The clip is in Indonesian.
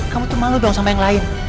kamu malu dengan yang lain